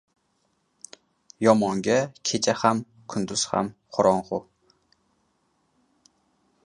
• Yomonga kecha ham kunduz ham qorong‘i.